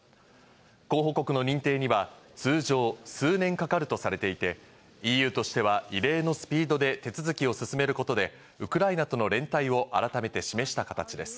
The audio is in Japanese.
候補国の認定には通常数年かかるとされていて、ＥＵとしては、異例のスピードで手続きを進めることで、ウクライナとの連帯を改めて示した形です。